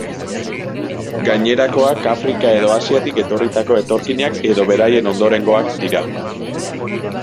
Gainerakoak Afrika edo Asiatik etorritako etorkinak edo beraien ondorengoak dira.